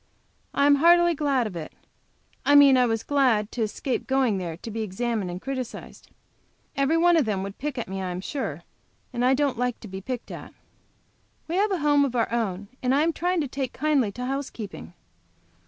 I am heartily glad of it. I mean I was glad to escape going there to be examined and criticised. Every one of them would pick at me, I am sure, and I don't like to be picked at. We have a home of our own, and I am trying to take kindly to housekeeping.